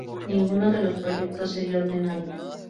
Ninguno de los proyectos sería ordenado.